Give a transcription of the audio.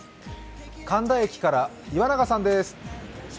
神田駅から岩永さんです。